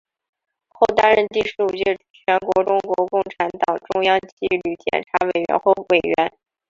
后担任第十五届全国中国共产党中央纪律检查委员会委员。